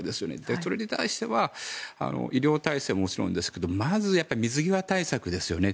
それに対しては、医療体制はもちろんですけれどもまず、水際対策ですね。